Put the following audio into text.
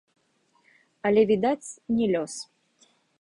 Але, відаць, не лёс.